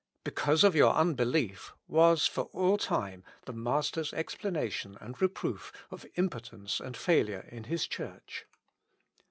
"Because of your unbelief" was, for all time, the Master's explanation and reproof of impotence and failure in His Church.